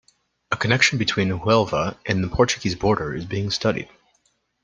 A connection between Huelva and the Portuguese border is being studied.